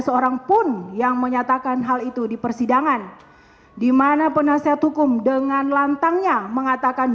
seorang pun yang menyatakan hal itu di persidangan dimana penasihat hukum dengan lantangnya mengatakan